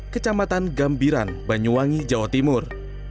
kecamatan gambiran banyuwangi jawa timur